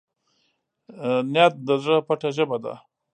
نیت د زړه پټه ژبه ده.